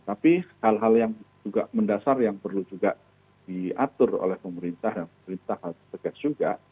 tapi hal hal yang juga mendasar yang perlu juga diatur oleh pemerintah dan pemerintah harus tegas juga